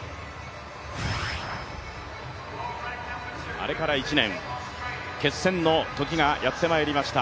あれから１年、決戦のときがやってまいりました。